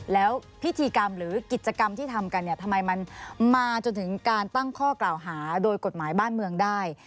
แล้วพิธีกรรมหรือกิจกรรมที่ทำกันเนี่ยทำไมมันมาจนถึงการตั้งข้อกล่าวหาโดยกฎหมายบ้านเมืองได้